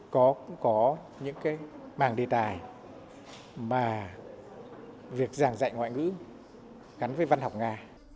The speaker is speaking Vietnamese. có những cái màng đề tài mà việc giảng dạy ngoại ngữ gắn với văn học nga